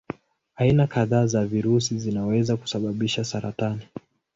Aina kadhaa za virusi zinaweza kusababisha saratani.